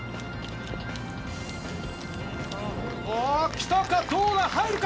きたか、どうだ、入るか？